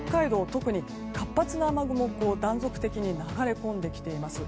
特に活発な雨雲が断続的に流れ込んできています。